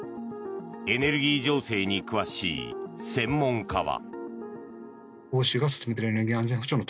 エネルギー情勢に詳しい専門家は。